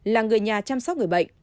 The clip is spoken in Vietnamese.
là người nhà chăm sóc người bệnh